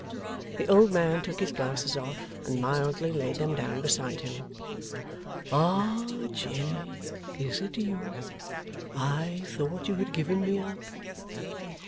The old man took his glasses off, and mildly laid them down beside him. 'Ah Jenny, is it you? I thought you had given me up.